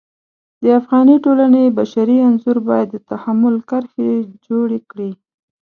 د افغاني ټولنې بشري انځور باید د تحمل کرښې جوړې کړي.